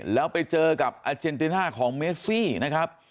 แล้วไปเจอกับอาเจนติน่าของเมซี่นะครับ